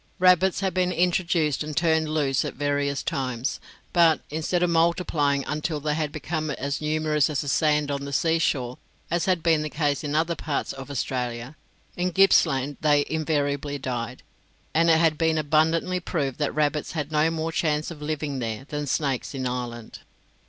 Rabbits had been introduced and turned loose at various times, but, instead of multiplying until they had become as numerous as the sand on the seashore, as had been the case in other parts of Australia, in Gippsland they invariably died; and it had been abundantly proved that rabbits had no more chance of living there than snakes in Ireland.